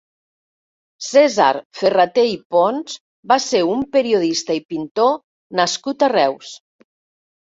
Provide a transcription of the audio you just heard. Cèsar Ferrater i Pons va ser un periodista i pintor nascut a Reus.